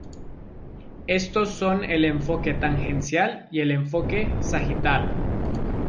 Estos son el enfoque tangencial y el enfoque sagital.